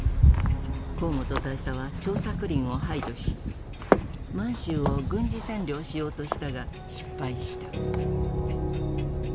河本大佐は張作霖を排除し満州を軍事占領しようとしたが失敗した。